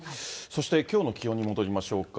そしてきょうの気温に戻りましょうか。